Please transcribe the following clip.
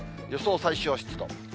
予想最小湿度。